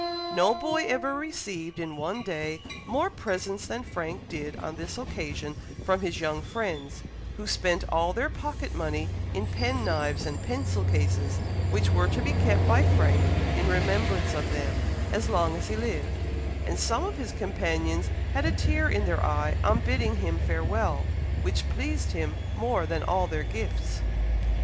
No boy ever received, in one day, more presents than Frank did on this occasion from his young friends, who spent all their pocket money in pen knives and pencil cases, which were to be kept by Frank, in remembrance of them, as long as he lived; and some of his companions had a tear in their eye on bidding him farewell, which pleased him more than all their gifts.